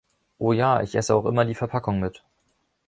Oh ja, ich esse auch immer die Verpackung mit!